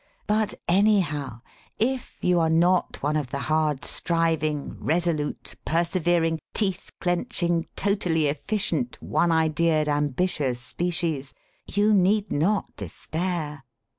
But, anyhow, if you are not one of the hard striving, resolute, persevering, teeth clenching, totally efficient, one ideaed, ambitious species, you need not despair.